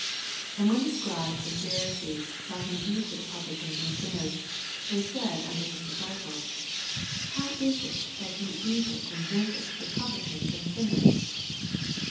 16 And when the Scribes and ?ha risees saw him eat with Publicans and sinners, they said unto his dis ciples, How is it that he eateth and drinketh with Publicans and sinners?